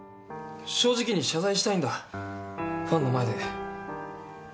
正直に謝罪したいんだファンの前で。